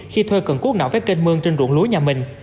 khi thuê cận cuốc nạo vết kênh mương trên ruộng lúa nhà mình